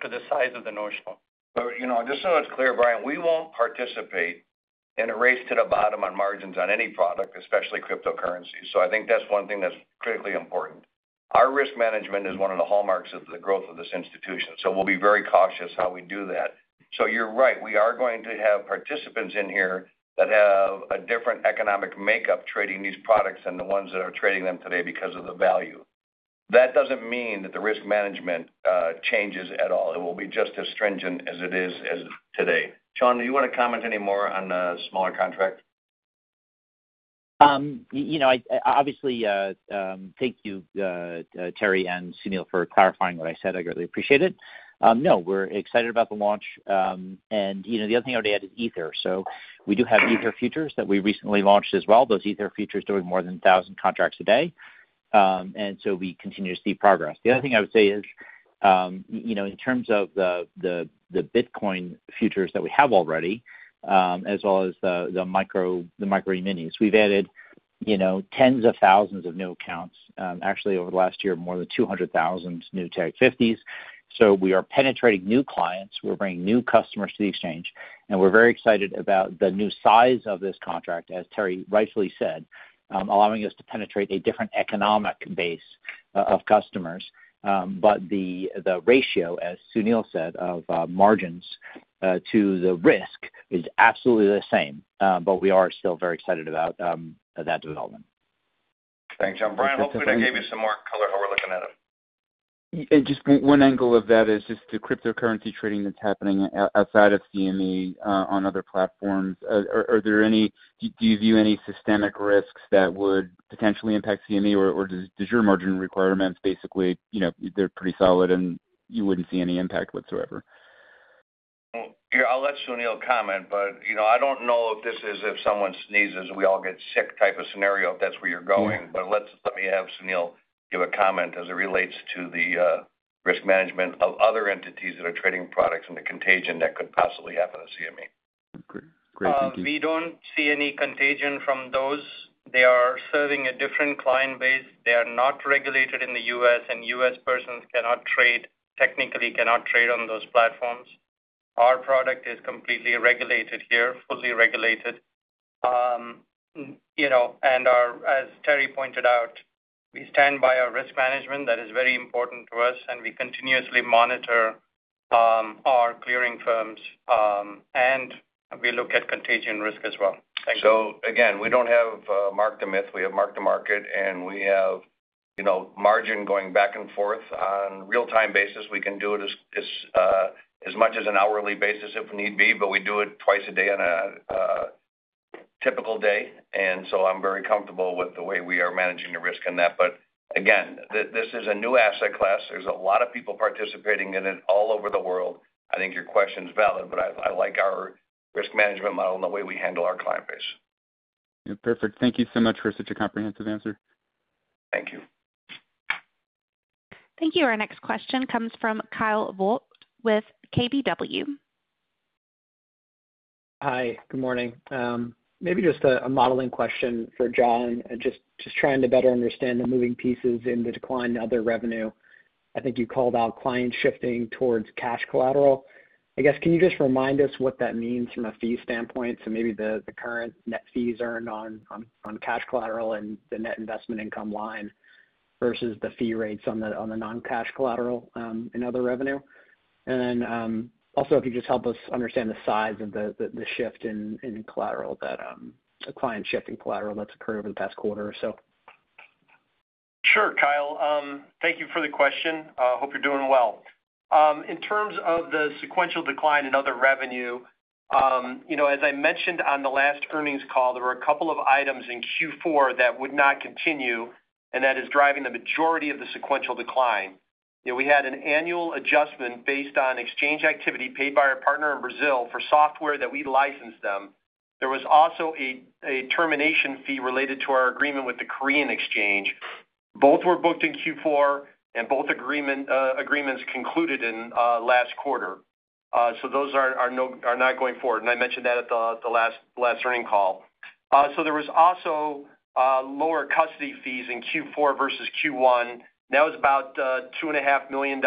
to the size of the notional. Just so it's clear, Brian, we won't participate in a race to the bottom on margins on any product, especially cryptocurrency. I think that's one thing that's critically important. Our risk management is one of the hallmarks of the growth of this institution, so we'll be very cautious how we do that. You're right, we are going to have participants in here that have a different economic makeup trading these products than the ones that are trading them today because of the value. That doesn't mean that the risk management changes at all. It will be just as stringent as it is as today. Sean Tully, do you want to comment any more on the smaller contract? Obviously, thank you, Terry and Sunil, for clarifying what I said. I greatly appreciate it. No, we're excited about the launch. The other thing I would add is Ether. We do have Ether futures that we recently launched as well. Those Ether futures doing more than 1,000 contracts a day. We continue to see progress. The other thing I would say is, in terms of the Bitcoin futures that we have already, as well as the Micro E-minis, we've added tens of thousands of new accounts. Actually, over the last year, more than 200,000 new Tag 50s. We are penetrating new clients, we're bringing new customers to the exchange, and we're very excited about the new size of this contract, as Terry rightfully said, allowing us to penetrate a different economic base of customers. The ratio, as Sunil said, of margins to the risk is absolutely the same, but we are still very excited about that development. Thanks, Sean. Brian, hopefully I gave you some more color how we're looking at it. Just one angle of that is just the cryptocurrency trading that's happening outside of CME on other platforms. Do you view any systemic risks that would potentially impact CME, or does your margin requirements basically, they're pretty solid and you wouldn't see any impact whatsoever? I'll let Sunil comment, I don't know if this is if someone sneezes, we all get sick type of scenario, if that's where you're going. Let me have Sunil give a comment as it relates to the risk management of other entities that are trading products and the contagion that could possibly happen to CME. Great. Thank you. We don't see any contagion from those. They are serving a different client base. They are not regulated in the U.S., and U.S. persons cannot trade, technically cannot trade on those platforms. Our product is completely regulated here, fully regulated. As Terry pointed out, we stand by our risk management. That is very important to us, and we continuously monitor our clearing firms, and we look at contagion risk as well. Thank you. Again, we don't have mark to market. We have mark to market, and we have margin going back and forth on real-time basis. We can do it as much as an hourly basis if need be, but we do it twice a day on a typical day. I'm very comfortable with the way we are managing the risk on that. Again, this is a new asset class. There's a lot of people participating in it all over the world. I think your question's valid, but I like our risk management model and the way we handle our client base. Yeah, perfect. Thank you so much for such a comprehensive answer. Thank you. Thank you. Our next question comes from Kyle Voigt with KBW. Hi, good morning. Maybe just a modeling question for John. Just trying to better understand the moving pieces in the decline of other revenue. I think you called out clients shifting towards cash collateral. I guess, can you just remind us what that means from a fee standpoint? Maybe the current net fees earned on cash collateral and the net investment income line versus the fee rates on the non-cash collateral in other revenue. Also if you could just help us understand the size of the client shift in collateral that's occurred over the past quarter or so. Sure, Kyle. Thank you for the question. Hope you're doing well. In terms of the sequential decline in other revenue, as I mentioned on the last earnings call, there were a couple of items in Q4 that would not continue. That is driving the majority of the sequential decline. We had an annual adjustment based on exchange activity paid by our partner in Brazil for software that we licensed them. There was also a termination fee related to our agreement with the Korean Exchange. Both were booked in Q4. Both agreements concluded in last quarter. Those are not going forward. I mentioned that at the last earnings call. There was also lower custody fees in Q4 versus Q1. That was about $2.5 million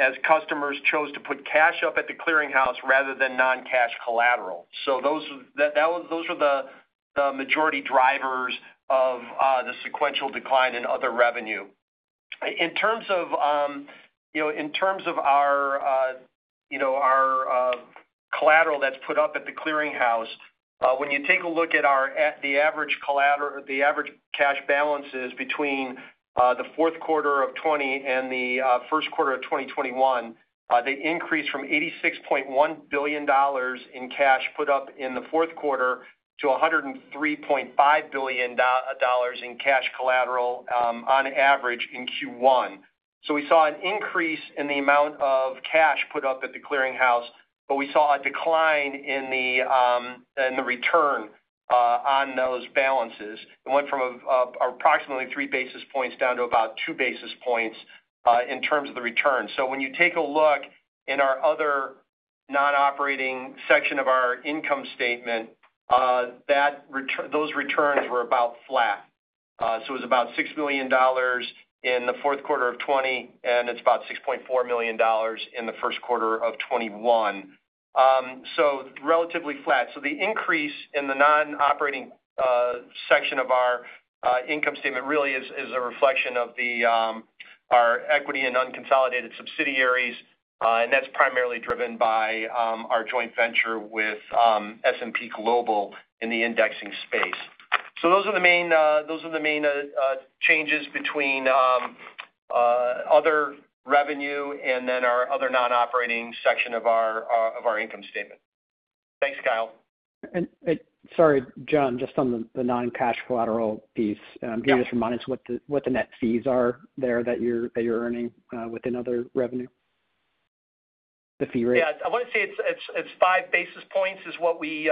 as customers chose to put cash up at the clearinghouse rather than non-cash collateral. Those were the majority drivers of the sequential decline in other revenue. In terms of our collateral that's put up at the clearinghouse, when you take a look at the average cash balances between the fourth quarter of 2020 and the first quarter of 2021, they increased from $86.1 billion in cash put up in the fourth quarter to $103.5 billion in cash collateral on average in Q1. We saw an increase in the amount of cash put up at the clearinghouse, but we saw a decline in the return on those balances. It went from approximately 3 basis points down to about 2 basis points in terms of the return. When you take a look in our other non-operating section of our income statement, those returns were about flat. It was about $6 million in the fourth quarter of 2020, and it's about $6.4 million in the first quarter of 2021. Relatively flat. The increase in the non-operating section of our income statement really is a reflection of our equity in unconsolidated subsidiaries, and that's primarily driven by our joint venture with S&P Global in the indexing space. Those are the main changes between other revenue and then our other non-operating section of our income statement. Thanks, Kyle. Sorry, John, just on the non-cash collateral piece. Yeah Can you just remind us what the net fees are there that you're earning within other revenue, the fee rate? Yeah. I want to say it's five basis points is what we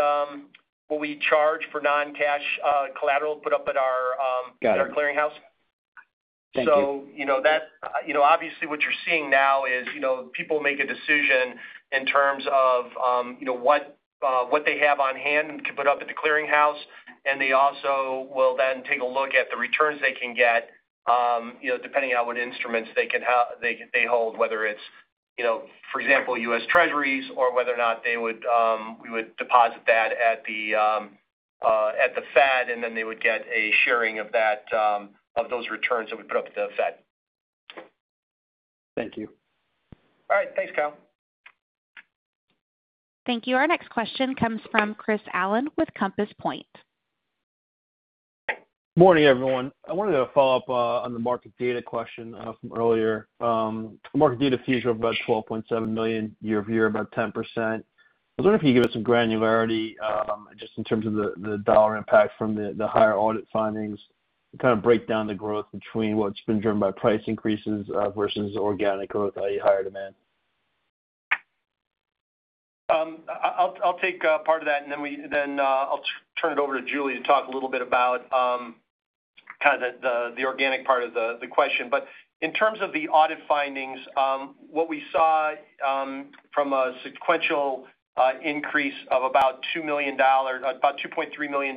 charge for non-cash collateral put up at our- Got it. ...clearing house. Thank you. Obviously, what you're seeing now is people make a decision in terms of what they have on hand to put up at the clearing house, and they also will then take a look at the returns they can get depending on what instruments they hold, whether it's, for example, U.S. Treasuries or whether or not we would deposit that at the Fed, and then they would get a sharing of those returns that we put up with the Fed. Thank you. All right. Thanks, Kyle. Thank you. Our next question comes from Chris Allen with Compass Point. Morning, everyone. I wanted to follow up on the market data question from earlier. Market data fees were about $12.7 million, year-over-year about 10%. I was wondering if you could give us some granularity, just in terms of the dollar impact from the higher audit findings to kind of break down the growth between what's been driven by price increases versus organic growth i.e., higher demand. I'll take part of that, and then I'll turn it over to Julie Winkler to talk a little bit about kind of the organic part of the question. In terms of the audit findings, what we saw from a sequential increase of about $2.3 million.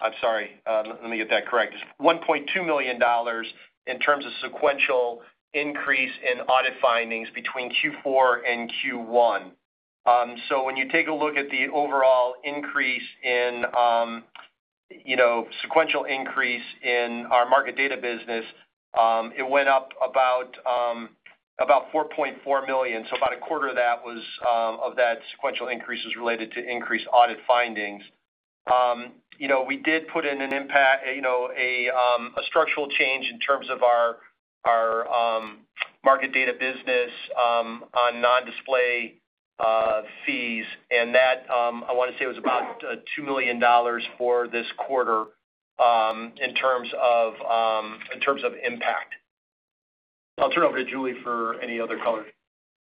I'm sorry. Let me get that correct. It's $1.2 million in terms of sequential increase in audit findings between Q4 and Q1. When you take a look at the overall sequential increase in our market data business, it went up about $4.4 million. About a quarter of that sequential increase is related to increased audit findings. We did put in a structural change in terms of our market data business on non-display fees, and that, I want to say, was about $2 million for this quarter in terms of impact. I'll turn it over to Julie Winkler for any other color.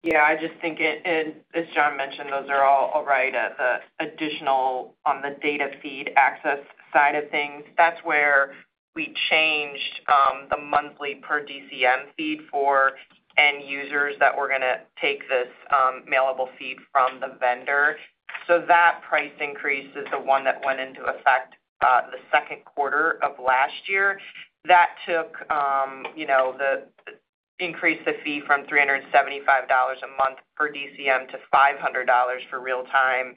Yeah, I just think, as John mentioned, those are all right. The additional on the data feed access side of things, that's where we changed the monthly per DCM feed for end users that were going to take this mailable feed from the vendor. That price increase is the one that went into effect the second quarter of last year. That increased the fee from $375 a month per DCM to $500 for real time,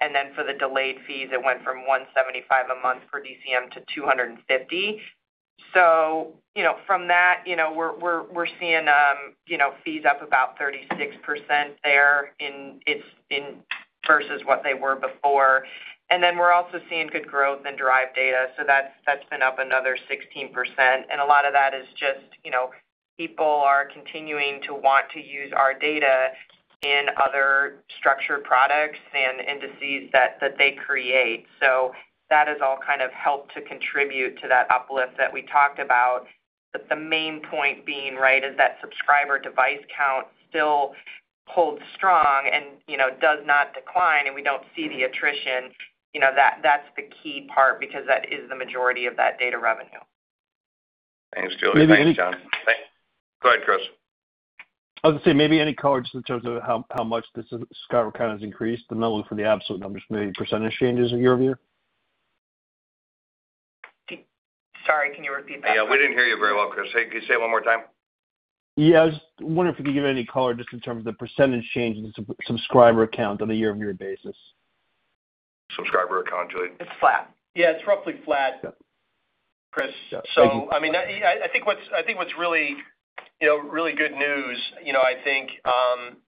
and for the delayed fees, it went from $175 a month per DCM to $250. From that, we're seeing fees up about 36% there versus what they were before. We're also seeing good growth in derived data, that's been up another 16%. A lot of that is just people are continuing to want to use our data in other structured products and indices that they create. That has all kind of helped to contribute to that uplift that we talked about. The main point being is that subscriber device count still holds strong and does not decline, and we don't see the attrition. That's the key part because that is the majority of that data revenue. Thanks, Julie. Thanks, John. Go ahead, Chris. I was going to say, maybe any color just in terms of how much the subscriber count has increased? I'm not looking for the absolute numbers, maybe percentage changes year-over-year. Sorry, can you repeat that? Yeah, we didn't hear you very well, Chris. Hey, can you say it one more time? Yeah. I was wondering if you could give any color just in terms of the percentage change in the subscriber count on a year-over-year basis. Subscriber count, Julie? It's flat. Yeah, it's roughly flat. Yeah. Chris. Yeah. Thank you. I think what's really good news, I think,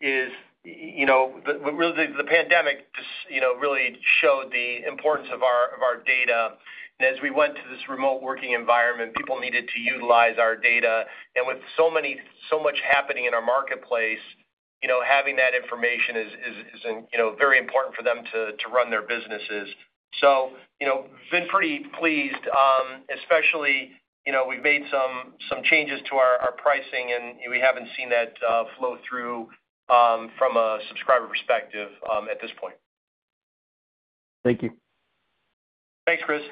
is the pandemic just really showed the importance of our data. As we went to this remote working environment, people needed to utilize our data. With so much happening in our marketplace, having that information is very important for them to run their businesses. Been pretty pleased, especially, we've made some changes to our pricing, and we haven't seen that flow through from a subscriber perspective at this point. Thank you. Thanks, Chris.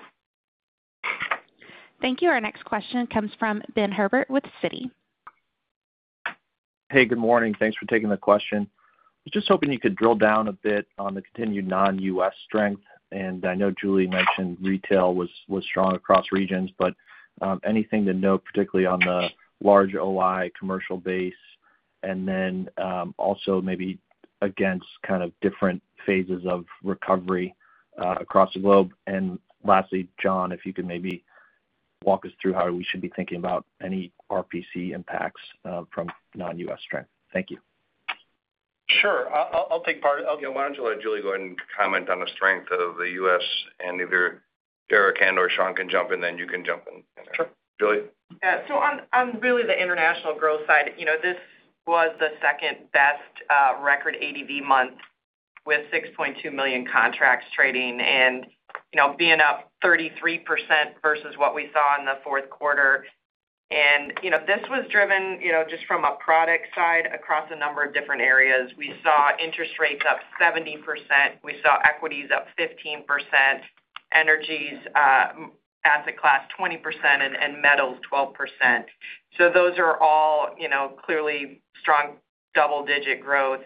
Thank you. Our next question comes from Ben Herbert with Citi. Hey, good morning. Thanks for taking the question. I was just hoping you could drill down a bit on the continued non-U.S. strength. I know Julie mentioned retail was strong across regions, but anything to note particularly on the large OI commercial base, and then also maybe against kind of different phases of recovery across the globe. Lastly, John, if you could maybe walk us through how we should be thinking about any RPC impacts from non-U.S. strength. Thank you. Sure. I'll take part. Why don't you let Julie go ahead and comment on the strength of the U.S., and either Derek and/or Sean can jump in, then you can jump in. Sure. Julie? On really the international growth side, this was the second-best record ADV month with 6.2 million contracts trading and being up 33% versus what we saw in the fourth quarter. This was driven just from a product side across a number of different areas. We saw interest rates up 70%. We saw equities up 15%, energies asset class 20%, and metals 12%. Those are all clearly strong double-digit growth.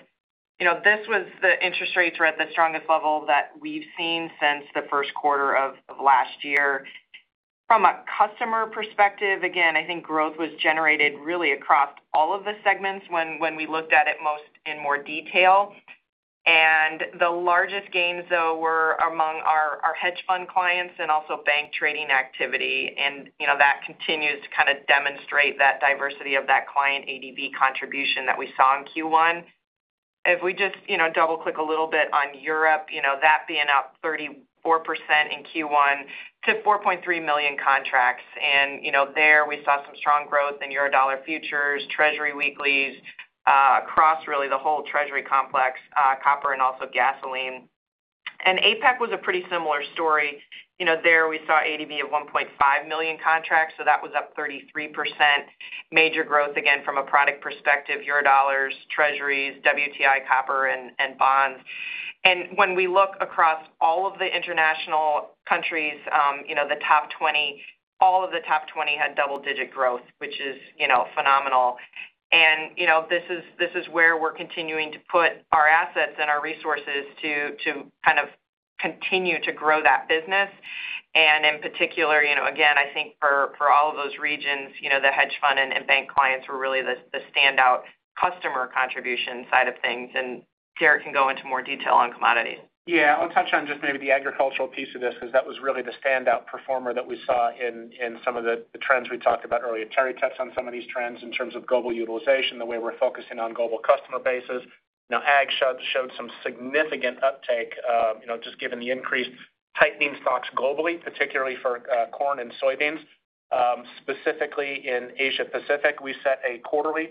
The interest rates were at the strongest level that we've seen since the first quarter of last year. From a customer perspective, again, I think growth was generated really across all of the segments when we looked at it in more detail. The largest gains, though, were among our hedge fund clients and also bank trading activity. That continues to kind of demonstrate that diversity of that client ADV contribution that we saw in Q1. If we just double-click a little bit on Europe, that being up 34% in Q1 to 4.3 million contracts. There, we saw some strong growth in Eurodollar futures, Treasury weeklies, across really the whole Treasury complex, copper, and also gasoline. APAC was a pretty similar story. There, we saw ADV of 1.5 million contracts, so that was up 33%. Major growth, again, from a product perspective, Eurodollars, Treasuries, WTI, copper, and bonds. When we look across all of the international countries, all of the top 20 had double-digit growth, which is phenomenal. This is where we're continuing to put our assets and our resources to kind of continue to grow that business. In particular, again, I think for all of those regions, the hedge fund and bank clients were really the standout customer contribution side of things, and Derek can go into more detail on commodities. Yeah, I'll touch on just maybe the agricultural piece of this because that was really the standout performer that we saw in some of the trends we talked about earlier. Terry touched on some of these trends in terms of global utilization, the way we're focusing on global customer bases. Ag showed some significant uptake, just given the increased tightening stocks globally, particularly for corn and soybeans. Specifically in Asia Pacific, we set a quarterly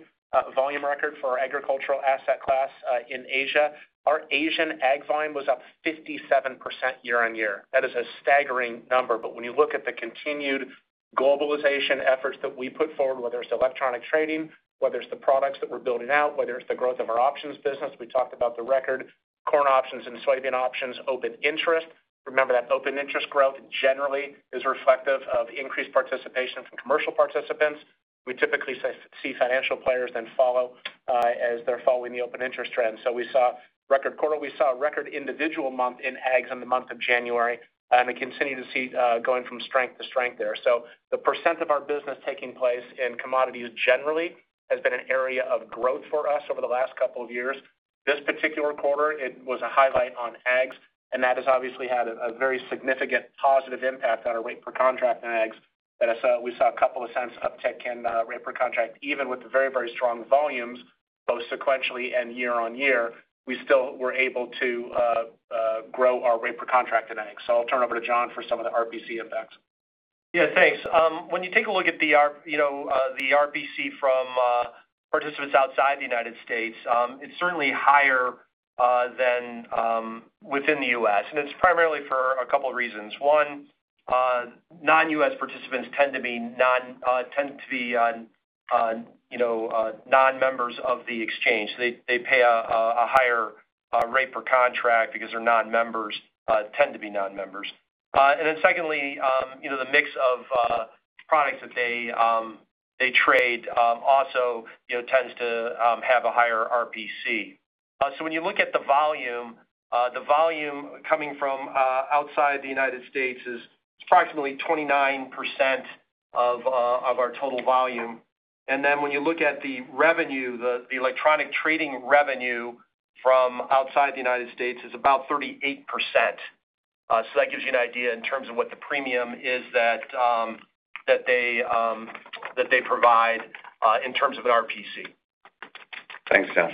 volume record for our agricultural asset class in Asia. Our Asian ag volume was up 57% year-on-year. That is a staggering number, when you look at the continued globalization efforts that we put forward, whether it's electronic trading, whether it's the products that we're building out, whether it's the growth of our options business, we talked about the record corn options and soybean options, open interest. Remember that open interest growth generally is reflective of increased participation from commercial participants. We typically see financial players then follow as they're following the open interest trend. We saw a record quarter, we saw a record individual month in ags in the month of January, and we continue to see going from strength to strength there. The percent of our business taking place in commodities generally has been an area of growth for us over the last couple of years. This particular quarter, it was a highlight on ags, and that has obviously had a very significant positive impact on our rate per contract in ags, that we saw a $0.02 uptick in rate per contract, even with the very, very strong volumes, both sequentially and year-on-year, we still were able to grow our rate per contract in ag. I'll turn over to John for some of the RPC effects. Yeah, thanks. When you take a look at the RPC from participants outside the U.S., it's certainly higher than within the U.S., and it's primarily for a couple of reasons. One, non-U.S. participants tend to be non-members of the exchange. They pay a higher rate per contract because they're non-members, tend to be non-members. Secondly, the mix of products that they trade also tends to have a higher RPC. When you look at the volume, the volume coming from outside the U.S. is approximately 29% of our total volume. When you look at the revenue, the electronic trading revenue from outside the U.S. is about 38%. That gives you an idea in terms of what the premium is that they provide in terms of an RPC. Thanks, John.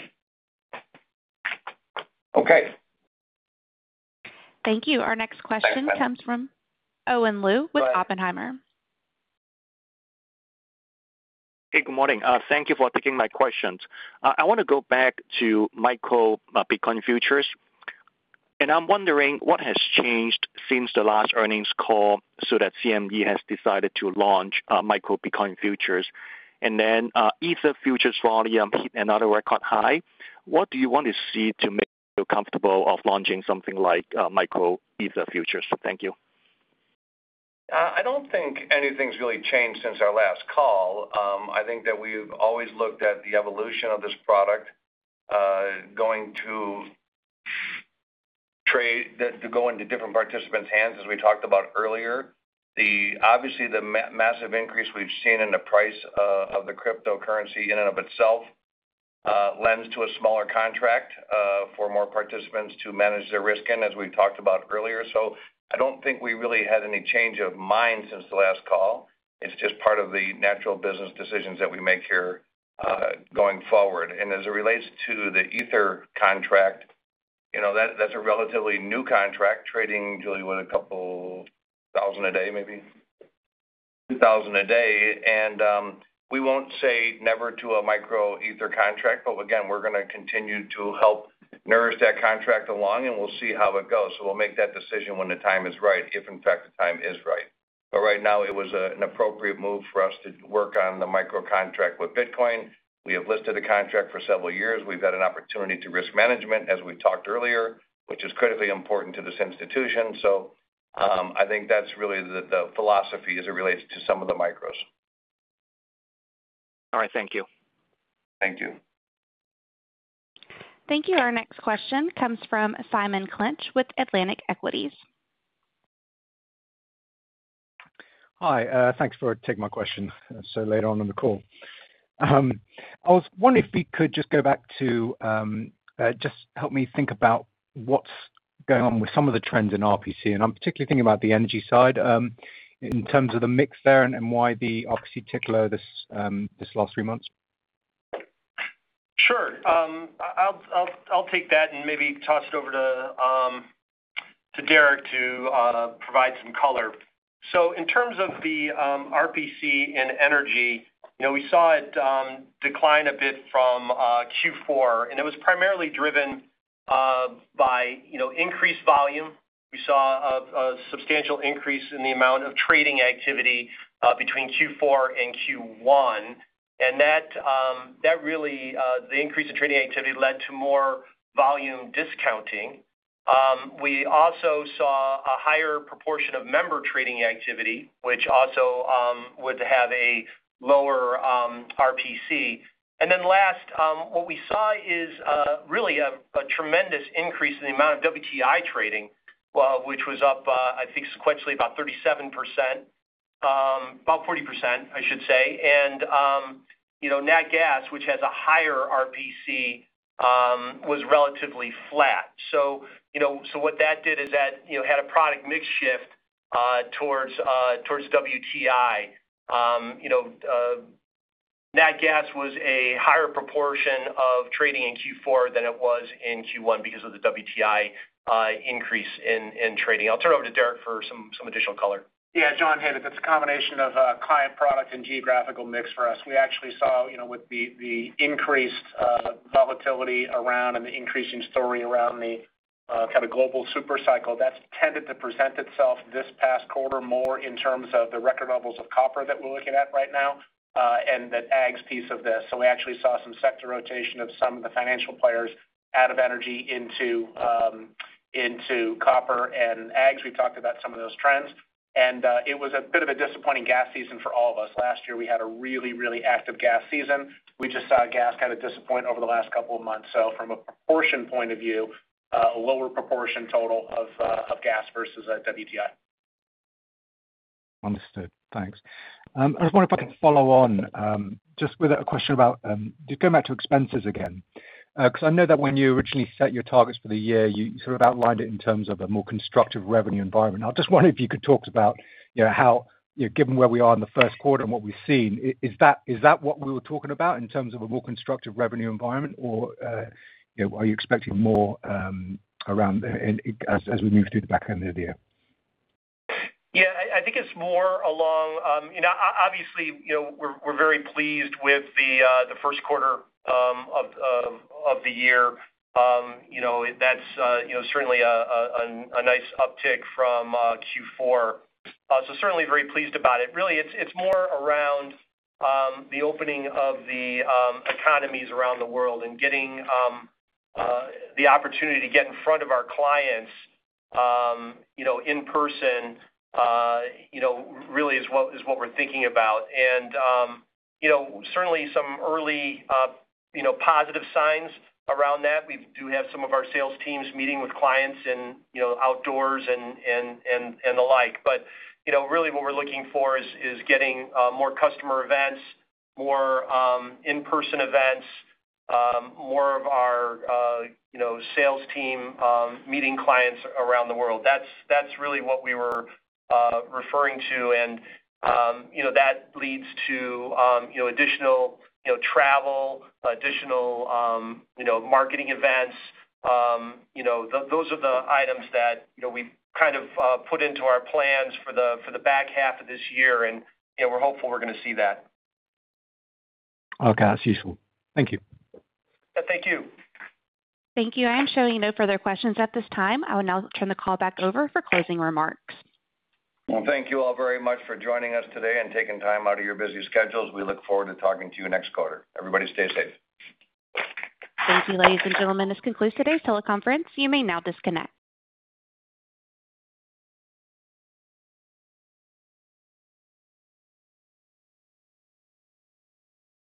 Okay. Thank you. Our next question comes from Owen Lau with Oppenheimer. Hey, good morning. Thank you for taking my questions. I want to go back to Micro Bitcoin futures, and I'm wondering what has changed since the last earnings call so that CME has decided to launch Micro Bitcoin futures, and then Ether futures volume hit another record high. What do you want to see to make you comfortable of launching something like Micro Ether futures? Thank you. I don't think anything's really changed since our last call. I think that we've always looked at the evolution of this product going to trade, to go into different participants' hands, as we talked about earlier. Obviously, the massive increase we've seen in the price of the cryptocurrency in and of itself lends to a smaller contract for more participants to manage their risk in, as we've talked about earlier. I don't think we really had any change of mind since the last call. It's just part of the natural business decisions that we make here going forward. As it relates to the Ether contract, that's a relatively new contract trading, Julie, what, a couple thousand a day, maybe? 2,000 a day. We won't say never to a Micro Ether contract. Again, we're going to continue to help nourish that contract along, and we'll see how it goes. We'll make that decision when the time is right, if in fact, the time is right. Right now, it was an appropriate move for us to work on the Micro contract with Bitcoin. We have listed a contract for several years. We've had an opportunity to risk management, as we talked earlier, which is critically important to this institution. I think that's really the philosophy as it relates to some of the Micros. All right. Thank you. Thank you. Thank you. Our next question comes from Simon Clinch with Atlantic Equities. Hi. Thanks for taking my question so later on in the call. I was wondering if we could just go back to just help me think about what's going on with some of the trends in RPC, and I'm particularly thinking about the energy side in terms of the mix there and why the [opposite tick there] this last three months. Sure. I'll take that and maybe toss it over to Derek to provide some color. In terms of the RPC and energy, we saw it decline a bit from Q4, and it was primarily driven by increased volume. We saw a substantial increase in the amount of trading activity between Q4 and Q1, and the increase in trading activity led to more volume discounting. We also saw a higher proportion of member trading activity, which also would have a lower RPC. Last, what we saw is really a tremendous increase in the amount of WTI trading, which was up, I think sequentially about 37%, about 40%, I should say. Nat gas, which has a higher RPC, was relatively flat. What that did is that had a product mix shift towards WTI. Nat gas was a higher proportion of trading in Q4 than it was in Q1 because of the WTI increase in trading. I'll turn it over to Derek for some additional color. Yeah, John hit it. That's a combination of client product and geographical mix for us. We actually saw with the increased volatility around and the increasing story around the kind of global super cycle that's tended to present itself this past quarter more in terms of the record levels of copper that we're looking at right now, and that ags piece of this. We actually saw some sector rotation of some of the financial players out of energy into copper and ags. We've talked about some of those trends. It was a bit of a disappointing gas season for all of us. Last year, we had a really active gas season. We just saw gas kind of disappoint over the last couple of months. From a proportion point of view, a lower proportion total of gas versus WTI. Understood. Thanks. I was wondering if I can follow on, just with a question about, just going back to expenses again. I know that when you originally set your targets for the year, you sort of outlined it in terms of a more constructive revenue environment. I just wonder if you could talk about how, given where we are in the first quarter and what we've seen, is that what we were talking about in terms of a more constructive revenue environment, or are you expecting more around as we move through the back end of the year? Yeah, obviously, we're very pleased with the first quarter of the year. That's certainly a nice uptick from Q4. Certainly very pleased about it. Really, it's more around the opening of the economies around the world and getting the opportunity to get in front of our clients in person really is what we're thinking about. Certainly some early positive signs around that. We do have some of our sales teams meeting with clients in outdoors and the like. Really what we're looking for is getting more customer events, more in-person events, more of our sales team meeting clients around the world. That's really what we were referring to, and that leads to additional travel, additional marketing events. Those are the items that we've kind of put into our plans for the back half of this year, and we're hopeful we're going to see that. Okay. That's useful. Thank you. Thank you. Thank you. I am showing no further questions at this time. I will now turn the call back over for closing remarks. Well, thank you all very much for joining us today and taking time out of your busy schedules. We look forward to talking to you next quarter. Everybody stay safe. Thank you, ladies and gentlemen. This concludes today's teleconference. You may now disconnect.